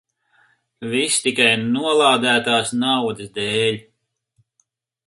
Viss tikai nolādētās naudas dēļ.